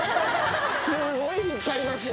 すごい引っ張りますね。